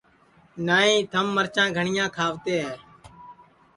نائی تھم مَرچا گھٹیا کھاوتے ہے